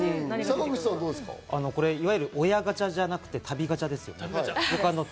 親ガチャじゃなくて旅ガチャですね。